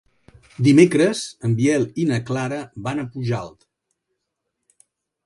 Dimecres en Biel i na Clara van a Pujalt.